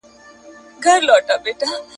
محصلو ځوانانو د خپل هېواد د تاريخ کتابونه ولوستل.